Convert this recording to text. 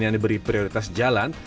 yang diberi prioritas jalan